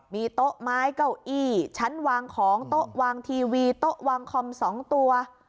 มีโต๊ะไม้เก้าอี้ชั้นวางของโต๊ะวางทีวีโต๊ะวางคอม๒ตัว